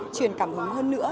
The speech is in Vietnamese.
truyền cảm hứng hơn nữa